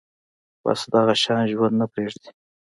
بس دغه شان ژوند نه پرېږدي